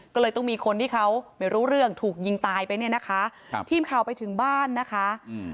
ก็เลยต้องมีคนที่เขาไม่รู้เรื่องถูกยิงตายไปเนี่ยนะคะครับทีมข่าวไปถึงบ้านนะคะอืม